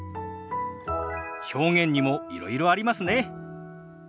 表現にもいろいろありますね。